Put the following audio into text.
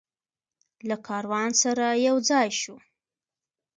له کاروان سره یوځای شو.